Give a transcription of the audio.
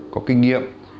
có kinh nghiệm